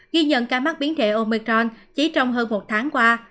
ghi nhận ca mắc biến thể omicron chỉ trong hơn một tháng qua